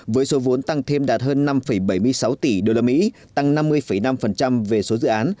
với số vốn tăng thêm đạt hơn năm bảy mươi sáu tỷ usd tăng năm mươi năm về số dự án